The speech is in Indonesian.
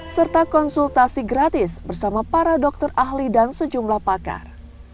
serta konsultasi gratis bersama para dokter ahli dan sejumlah pakar